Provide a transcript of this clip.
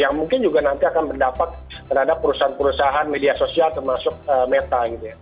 yang mungkin juga nanti akan mendapatkan ada perusahaan perusahaan media sosial termasuk meta